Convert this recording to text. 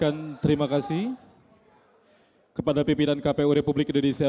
baik kami ucapkan terima kasih kepada pimpinan kpu republik indonesia